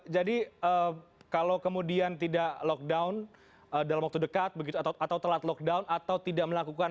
jadi kalau kemudian tidak lockdown dalam waktu dekat begitu atau telat lockdown atau tidak melakukan